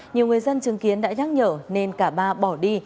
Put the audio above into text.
nhiều người dân chứng kiến đã nhắc nhở nên cả ba bỏ đi